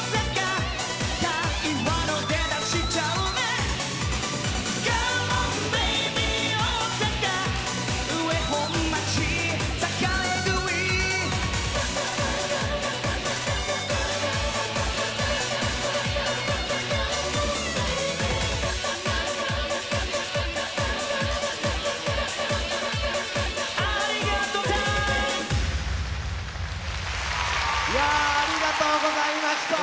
いやありがとうございました。